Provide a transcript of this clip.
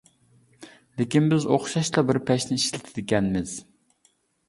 لېكىن بىز ئوخشاشلا بىر پەشنى ئىشلىتىدىكەنمىز.